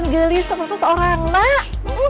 gelisem terus orang nak